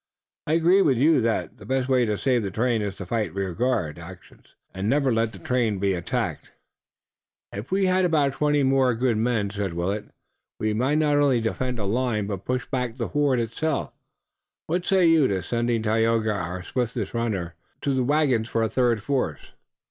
I agree with you that the best way to save the train is to fight rear guard actions, and never let the train itself be attacked." "If we had about twenty more good men," said Willet, "we might not only defend a line but push back the horde itself. What say you to sending Tayoga, our swiftest runner, to the wagons for a third force?"